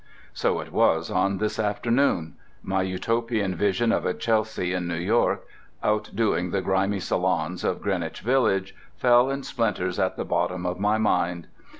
So it was on this afternoon. My Utopian vision of a Chelsea in New York, outdoing the grimy salons of Greenwich Village, fell in splinters at the bottom of my mind.